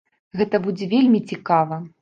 Гэта будзе вельмі цікава.